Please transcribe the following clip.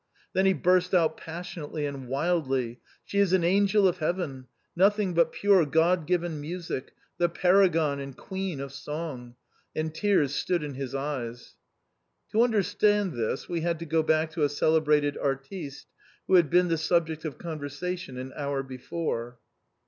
" Then he burst out passionately and wildly, *' She is an angel of heaven, nothing but pure God given music !— the paragon and queen of song !"— and tears stood in his eyes. To understand this, we had to go back to a celebrated artiste^ who had been the sub ject of conversation an hour before.